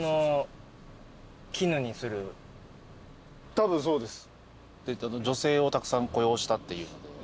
たぶんそうです。